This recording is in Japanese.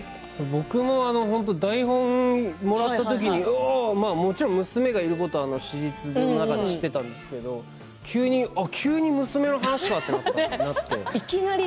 僕は台本をもらった時にもちろん娘がいることは史実の中では知っていたんですが急に娘だとなって。